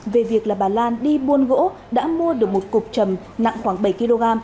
về việc là bà lan đi buôn gỗ đã mua được một cục trầm nặng khoảng bảy kg